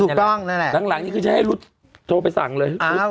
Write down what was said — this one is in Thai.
ถูกต้องนั่นแหละอันหลังนี่คือจะให้รุดโชว์ไปสั่งเลยเอ้า